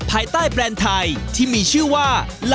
ภายใต้แบรนด์ไทยที่มีชื่อว่า